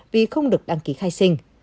vì không được đăng ký khai sinh